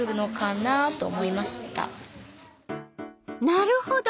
なるほど。